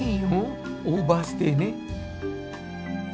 オーバーステイね。